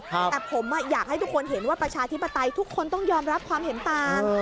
แต่ผมอยากให้ทุกคนเห็นว่าประชาธิปไตยทุกคนต้องยอมรับความเห็นต่าง